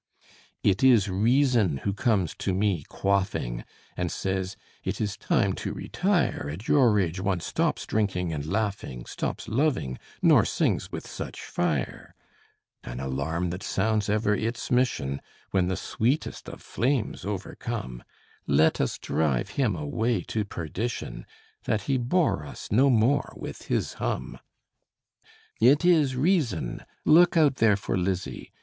It is Reason who comes to me, quaffing, And says, "It is time to retire: At your age one stops drinking and laughing, Stops loving, nor sings with such fire;" An alarm that sounds ever its mission When the sweetest of flames overcome: Let us drive him away to perdition, That he bore us no more with his hum. It is Reason! Look out there for Lizzie!